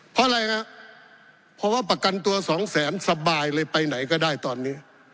เพราะอะไรฮะเพราะว่าประกันตัวสองแสนสบายเลยไปไหนก็ได้ตอนนี้